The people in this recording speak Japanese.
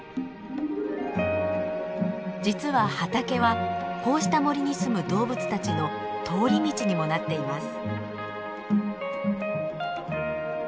実は畑はこうした森にすむ動物たちの通り道にもなっています。